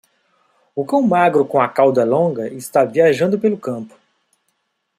O cão magro com a cauda longa está viajando pelo campo.